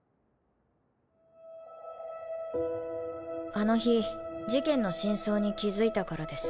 あの日事件の真相に気付いたからです。